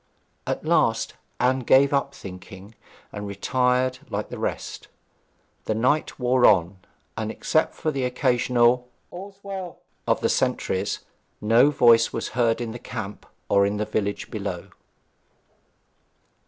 At last Anne gave up thinking, and retired like the rest. The night wore on, and, except the occasional 'All's well' of the sentries, no voice was heard in the camp or in the village below.